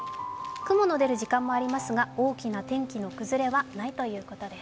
雲の出る時間もありますが、大きな天気の崩れはないということです。